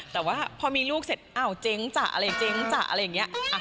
แต่ว่าพอมีลูกเสร็จอ้าวเจ๊งจ้ะอะไรเจ๊งจ้ะอะไรอย่างนี้